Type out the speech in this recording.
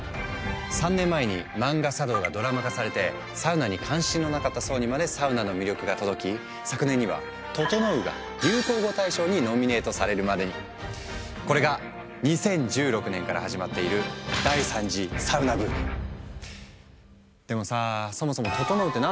３年前に漫画「サ道」がドラマ化されてサウナに関心のなかった層にまでサウナの魅力が届き昨年にはこれが２０１６年から始まっているでもさ「そもそもととのうって何なの？」